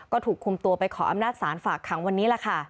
ก็ถูกคุมตัวไปขออำนาจศาลฝากขังวันนี้ล่ะค่ะ